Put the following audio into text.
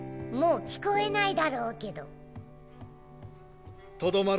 もう聞こえないだろうけど。